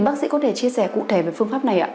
bác sĩ có thể chia sẻ cụ thể về phương pháp này ạ